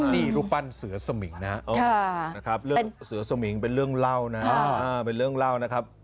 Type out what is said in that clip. นี่รูปปั้นเสือสมิงนะครับสือสมิงเป็นเรื่องเล่านะครับ